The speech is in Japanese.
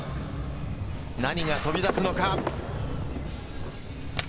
何が飛び出すのか。